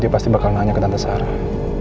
dia pasti bakal nanya ke tante sarah